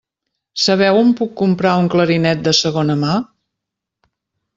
Sabeu on puc comprar un clarinet de segona mà?